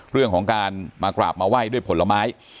เรื่องของการมากราบมาไหว้ด้วยผลไม้